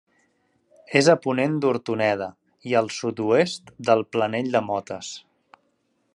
És a ponent d'Hortoneda i al sud-oest del Planell de Motes.